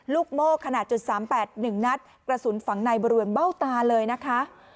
ลูกโม่ขนาดจนสามแปดหนึ่งนัดกระสุนฝังในบริเวณเบ้าตาเลยนะคะ